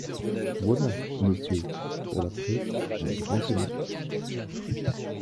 Voilà, messieurs, pour la presse, un grand honneur.